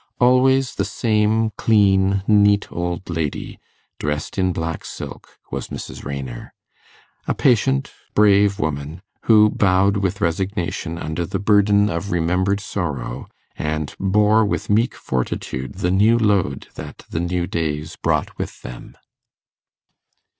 Always the same clean, neat old lady, dressed in black silk, was Mrs. Raynor: a patient, brave woman, who bowed with resignation under the burden of remembered sorrow, and bore with meek fortitude the new load that the new days brought with them.